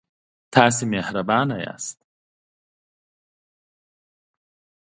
تاسې مهربانه یاست.